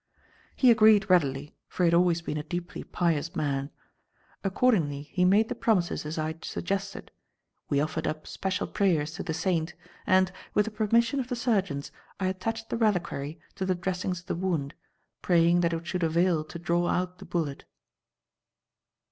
"He agreed readily, for he had always been a deeply pious man. Accordingly he made the promises as I had suggested, we offered up special prayers to the saint, and, with the permission of the surgeons, I attached the reliquary to the dressings of the wound, praying that it should avail to draw out the bullet."